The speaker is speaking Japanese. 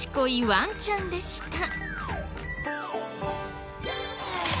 ワンちゃんでした。